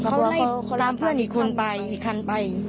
เขาให้ตามเพื่อนอีกคนไปอีกคันไป